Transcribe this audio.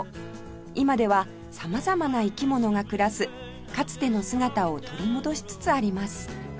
今では様々な生き物が暮らすかつての姿を取り戻しつつあります